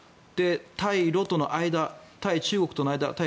対ロとの間、対中国との間対